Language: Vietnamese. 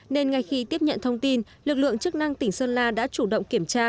nên ngay khi tiếp nhận thông tin lực lượng chức năng tỉnh sơn la đã chủ động kiểm tra